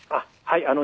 はい。